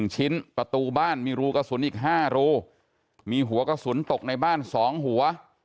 ๑ชิ้นประตูบ้านมีรูกระสุนอีก๕รูมีหัวกระสุนตกในบ้าน๒หัว